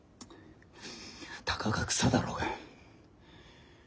たかが草だろうが。